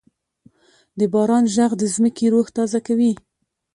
د باران ږغ د ځمکې روح تازه کوي.